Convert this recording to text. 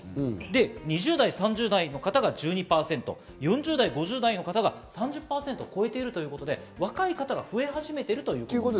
２０代・３０代の方が１２％、４０代・５０代の方が３０％を超えているということで、若い方が増え始めているということです。